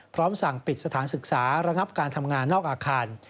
พร้อมสั่งปิดสถานศึกษาระงับการทำงานนอกอาคาร